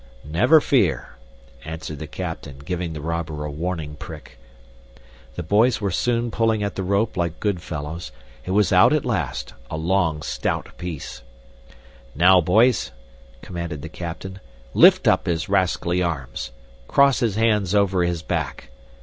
"Never fear!" answered the captain, giving the robber a warning prick. The boys were soon pulling at the rope like good fellows. It was out at last a long, stout piece. "Now, boys," commanded the captain, "lift up his rascally arms! Cross his hands over his back!